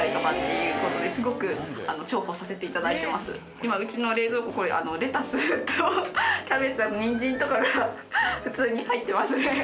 今うちの冷蔵庫これレタスとキャベツやニンジンとかが普通に入ってますね。